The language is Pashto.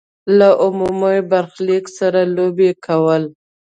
له عمومي برخلیک سره لوبې کول.